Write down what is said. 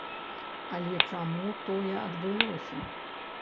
Але чаму тое адбылося?